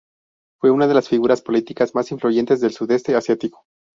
Fue una de las figuras políticas más influyentes del Sudeste Asiático.